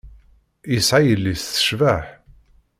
Yesɛa yelli-s tecbeḥ.